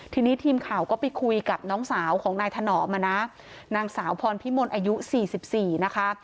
ทีนี้ทีมข่าวก็ไปคุยกับน้องสาวของนายถนอมอ่ะนะนางสาวพรพิมลอายุ๔๔นะคะ